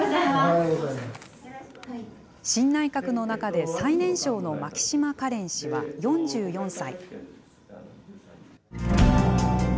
新内閣の中で最年少の牧島かれん氏は４４歳。